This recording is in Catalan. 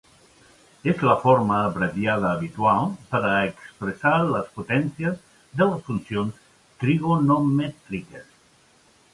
És la forma abreviada habitual per a expressar les potències de les funcions trigonomètriques.